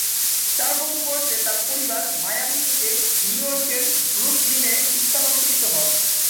চার বছর বয়সে তার পরিবার মায়ামি থেকে নিউইয়র্কের ব্রুকলিনে স্থানান্তরিত হন।